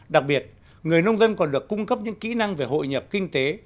đặc biệt người nông dân còn được cung cấp những kỹ năng về hội nhập kinh tế